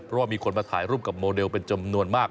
เพราะว่ามีคนมาถ่ายรูปกับโมเดลเป็นจำนวนมาก